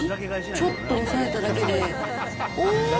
ちょっと押さえただけで、おー！